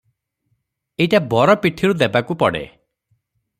ଏଇଟା ବର ପିଠିରୁ ଦେବାକୁ ପଡ଼େ ।